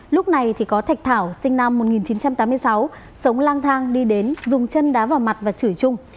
lúc này có thạch thảo sinh năm một nghìn chín trăm tám mươi sáu sống lang thang đi đến dùng chân đá vào mặt và chửi chung